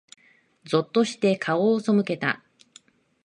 ぞっとして、顔を背けた。